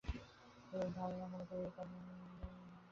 এইরূপ ধারণা সত্ত্বেও কেহই চার্বাকদিগের উপরে কোন অত্যাচার করে নাই।